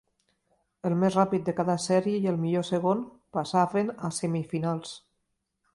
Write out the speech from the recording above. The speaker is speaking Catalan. El més ràpid de cada sèrie i el millor segon passaven a semifinals.